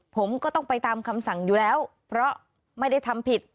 ผมก็ต้องไปตามคำสั่งอยู่แล้วเพราะไม่ได้ทำผิด